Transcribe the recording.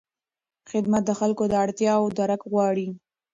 خدمت د خلکو د اړتیاوو درک غواړي.